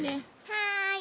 はい。